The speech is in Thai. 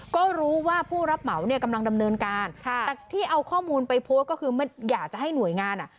ก็รู้ว่าผู้รับเหมาเนี่ยกำลังดำเนินการค่ะแต่ที่เอาข้อมูลไปโพสต์ก็คืออยากจะให้หน่วยงานอ่ะ